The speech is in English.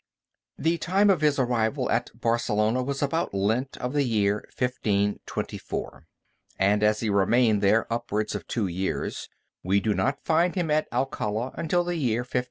The time of his arrival at Barcelona was about Lent of the year 1524; and as he remained there upwards of two years, we do not find him at Alcala until the year 1526.